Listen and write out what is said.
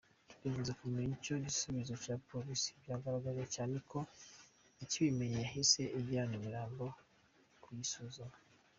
Turifuza kumenya icyo ibisubizo bya polisi byagaragaje cyane ko ikibimenya yahise ijyana imirambo kuyisuzuma.